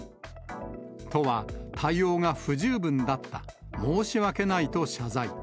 都は対応が不十分だった、申し訳ないと謝罪。